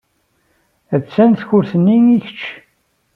Attan takurt-nni i kecc.